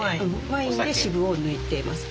ワインで渋を抜いてます。